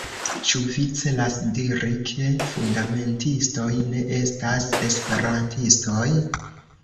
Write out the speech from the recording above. Ĉu vi celas diri, ke fundamentistoj ne estas Esperantistoj?